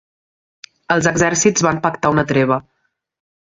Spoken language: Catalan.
Els exèrcits van pactar una treva.